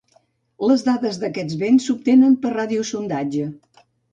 Les dades d'aquests vents s'obtenen per radiosondatge.